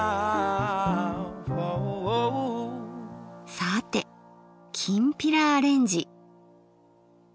さてきんぴらアレンジ。